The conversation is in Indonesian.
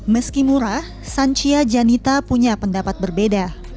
meski murah sancia janita punya pendapat berbeda